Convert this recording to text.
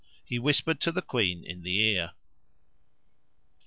He whispered to the queen in the ear.